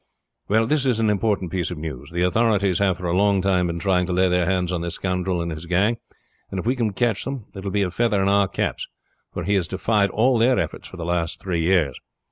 Well, this is an important piece of news. The authorities have for a long time been trying to lay their hands on this scoundrel and his gang, and if we can catch him it will be a feather in our caps, for he has defied all their efforts for the last three years.